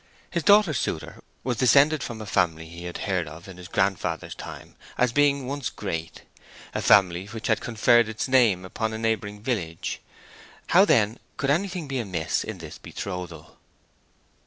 His daughter's suitor was descended from a family he had heard of in his grandfather's time as being once great, a family which had conferred its name upon a neighboring village; how, then, could anything be amiss in this betrothal?